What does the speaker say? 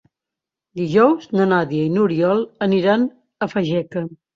Dijous na Nàdia i n'Oriol aniran a Fageca.